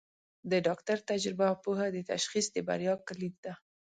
د ډاکټر تجربه او پوهه د تشخیص د بریا کلید ده.